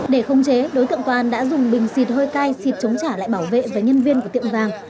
để không chế đối tượng quang đã dùng bình xịt hơi cay xịt chống trả lại bảo vệ với nhân viên của tiệm vàng